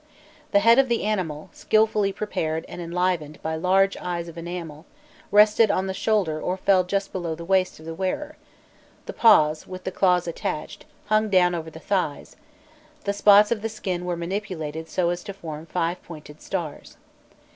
The head of the animal, skilfully prepared and enlivened by large eyes of enamel, rested on the shoulder or fell just below the waist of the wearer; the paws, with the claws attached, hung down over the thighs; the spots of the skin were manipulated so as to form five pointed stars.